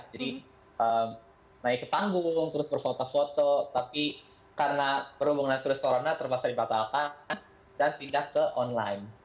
jadi naik ke panggung terus berfoto foto tapi karena perhubungan terus corona terpaksa dibatalkan dan pindah ke online